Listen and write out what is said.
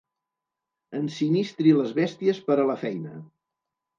Ensinistri les bèsties per a la feina.